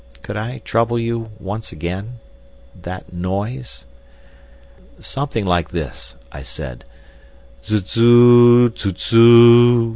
Could I trouble you—once again? That noise?" "Something like this," I said. "Zuzzoo, zuzzoo.